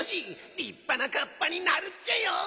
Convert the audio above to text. りっぱなカッパになるっちゃよ。